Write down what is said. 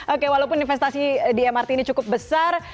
oke walaupun investasi di mrt ini cukup besar